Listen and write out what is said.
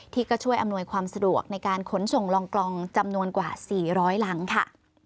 ที่ก็ช่วยอำนวยความสะดวกในการขนส่งลองกลองจำนวนกว่า๔๐๐หลังค่ะ